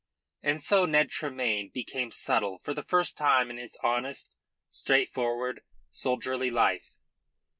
And so Ned Tremayne became subtle for the first time in his honest, straightforward, soldierly life.